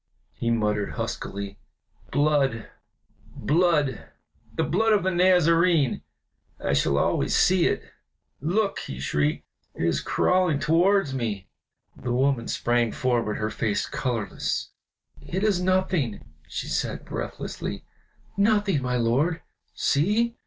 he muttered, huskily. "Blood, blood the blood of the Nazarene! I shall always see it. Look!" he shrieked, "it is crawling towards me!" The woman sprang forward, her face colorless. "It is nothing!" she said, breathlessly, "nothing, my lord! See!